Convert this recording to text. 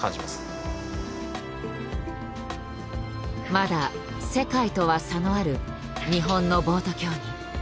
まだ世界とは差のある日本のボート競技。